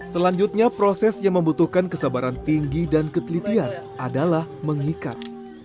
selanjutnya proses yang membutuhkan kesabaran tinggi dan ketelitian adalah mengikat